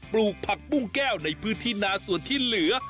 ปลูกผักปุ้งแก้วในพื้นที่นาส่วนที่เหลือ